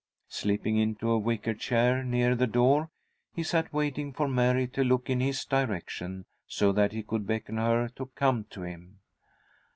Slipping into a wicker chair near the door, he sat waiting for Mary to look in his direction, so that he could beckon her to come to him.